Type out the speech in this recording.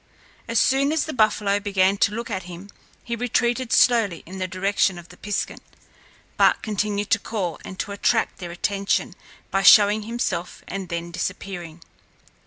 As soon as the buffalo began to look at him, he retreated slowly in the direction of the piskun, but continued to call and to attract their attention by showing himself and then disappearing.